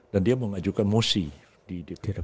dan dia mengajukan mosi di dprk